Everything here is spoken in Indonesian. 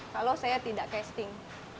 kalau saya tidak casting